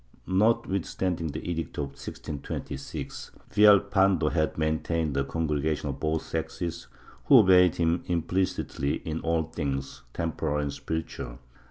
Notwithstanding the Edict of 1623, Villal pando had maintained a congregation of both sexes, who obeyed him implicitly in all things, temporal and spiritual.